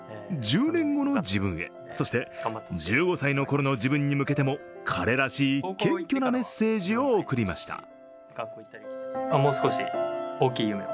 １０年後の自分へ、そして１５歳のころの自分に向けても彼らしい謙虚なメッセージを送りました。